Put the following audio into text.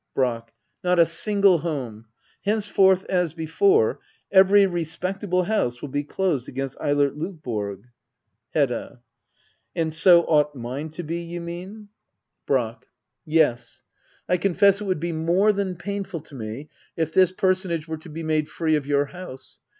Brack. Not a single home. Henceforth, as before, every respectable house will be closed against Eilert Lovborg. Hedda. And so ought mine to be, you mean } Digitized by Google 138 HEDDA OABLER. [aCT III. Brack. Yes. I confess it would be more than painful to me if this personage were to be made free of your house.